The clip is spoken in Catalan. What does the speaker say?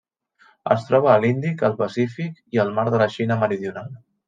Es troba a l'Índic, el Pacífic i el Mar de la Xina Meridional.